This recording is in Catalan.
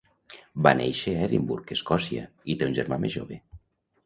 Va néixer a Edimburg, Escòcia, i té un germà més jove.